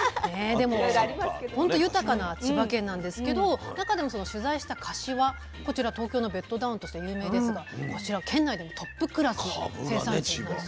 でもほんと豊かな千葉県なんですけど中でも取材した柏こちら東京のベッドタウンとして有名ですがこちら県内でもトップクラスの生産地なんですよ。